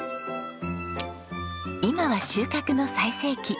今は収穫の最盛期。